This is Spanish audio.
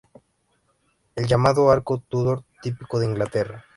El llamado arco Tudor, típico de Inglaterra.